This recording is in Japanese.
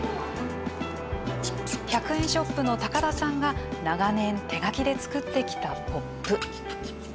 １００円ショップの高田さんが長年、手書きで作ってきたポップ。